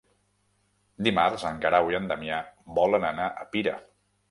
Dimarts en Guerau i en Damià volen anar a Pira.